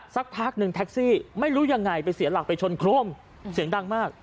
สักพักหนึ่งแท็กซี่ไม่รู้ยังไงไปเสียหลักไปชนโครมเสียงดังมาก